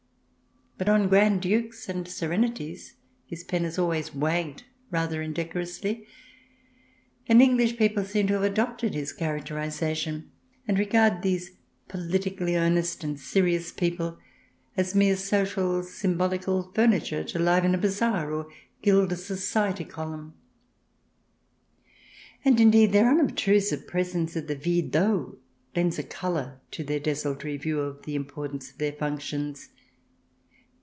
But on Grand Dukes and Serenities his pen has always wagged rather indecorously, and English people seem to have adopted his characterization, and regard these politically earnest and serious people as mere social symbolical furniture to liven a bazaar or gild a society column. And, indeed, their unobtrusive presence at the villes d'eaux lends a colour to their desultory view of the importance of their functions.